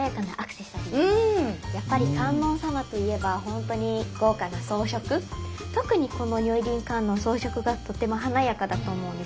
やっぱり観音様といえばほんとに特にこの如意輪観音装飾がとても華やかだと思うんですけど。